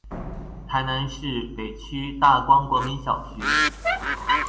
臺南市北區大光國民小學